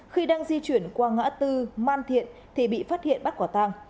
khi đang di chuyển qua ngã tư man thiện thì bị phát hiện bắt quả tàng